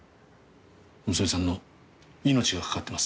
娘さんの命が懸かってます。